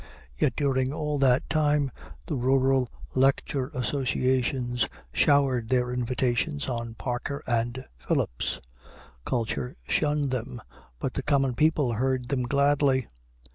Yet during all that time the rural lecture associations showered their invitations on Parker and Phillips; culture shunned them, but the common people heard them gladly.